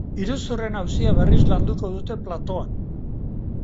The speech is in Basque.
Iruzurren auzia berriz landuko dute platoan.